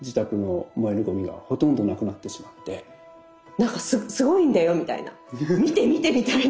なんか「すごいんだよ」みたいな。「見て見て」みたいな。